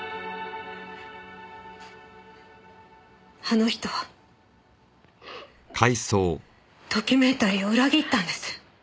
あの人はドキュメンタリーを裏切ったんです。